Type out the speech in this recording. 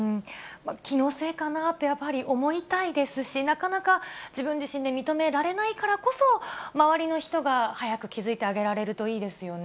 気のせいかなと、やっぱり思いたいですし、なかなか、自分自身で認められないからこそ、周りの人が早く気付いてあげられるといいですよね。